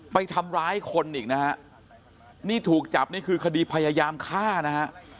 ไปทำร้ายคนอีกนะฮะนี่ถูกจับนี่คือคดีพยายามฆ่านะฮะ